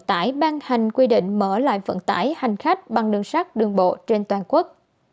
tải ban hành quy định mở lại vận tải hành khách bằng đường sắt đường bộ trên toàn quốc